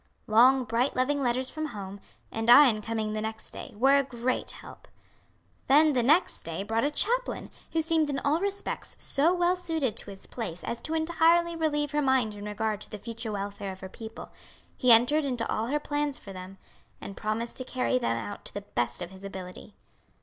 Long, bright, loving letters from home, and Ion coming the next day, were a great help. Then the next day brought a chaplain, who seemed in all respects so well suited to his place as to entirely relieve her mind in regard to the future welfare of her people. He entered into all her plans for them, and promised to carry them out to the best of his ability.